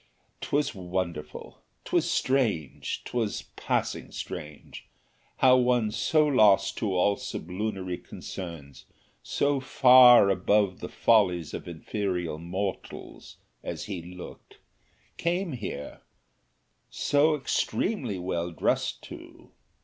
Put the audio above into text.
'Twas wonderful, 'twas strange, 'twas passing strange! how one so lost to all sublunary concerns, so far above the follies of inferior mortals, as he looked, came here so extremely well dressed too!